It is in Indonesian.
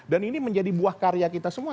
dan ini menjadi buah karya kita semua